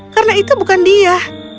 karena itu bukan dia